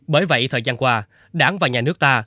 bởi vậy thời gian qua đảng và nhà nước ta